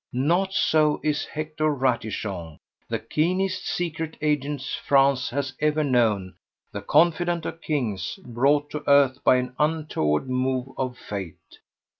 Not so is Hector Ratichon, the keenest secret agent France has ever known, the confidant of kings, brought to earth by an untoward move of fate.